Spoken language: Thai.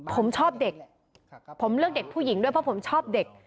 ผมชอบเด็กผมเลือกเด็กผู้หญิงด้วยเพราะผมชอบเด็ก